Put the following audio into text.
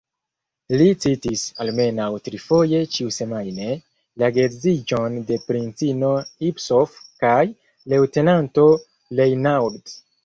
Li citis, almenaŭ trifoje ĉiusemajne, la geedziĝon de princino Ipsof kaj leŭtenanto Reinauld.